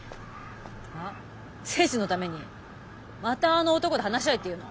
あ？征二のためにまたあの男と話し合えっていうの？